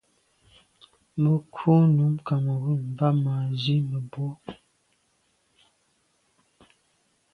Mə̀ krú nǔm Cameroun mbá mə̀ ɑ̀' zí mə̀ bwɔ́.